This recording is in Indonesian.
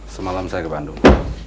semalam saya ke bandung